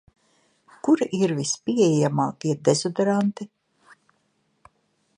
Kuri ir vispieejamākie dezodoranti?